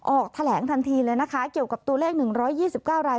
ออกแถลงทันทีเลยนะคะเกี่ยวกับตัวเลข๑๒๙ราย